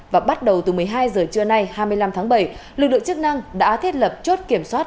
và bắt đầu từ một mươi hai h trưa nay hai mươi năm tháng bảy lực lượng chức năng đã thiết lập chốt kiểm soát